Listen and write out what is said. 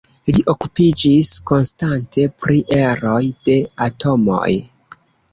Li okupiĝis konstante pri eroj de atomoj.